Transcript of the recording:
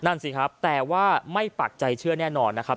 นั่นสิครับแต่ว่าไม่ปักใจเชื่อแน่นอนนะครับ